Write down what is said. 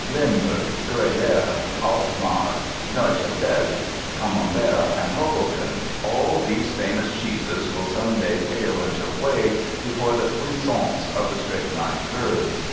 Limberg, Gruyère, Alkmaar, Neufchâtel, Camembert and Hoboken—all these famous cheeses will some day pale into whey before the puissance of the Strychnine curd.